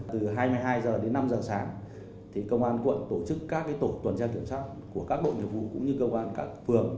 từ hai mươi hai h đến năm h sáng công an quận tổ chức các tổ tuần tra kiểm soát của các đội nghiệp vụ cũng như công an các phường